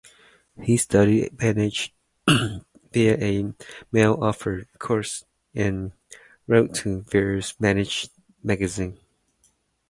He studied manga via a mail-offered course and wrote to various manga magazines.